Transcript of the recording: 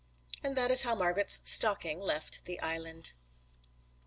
And that is how Margret's 'stocking' left the Island.